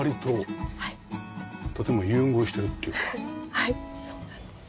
はいそうなんです。